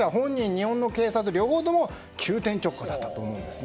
日本の警察両方とも急転直下だったと思うんです。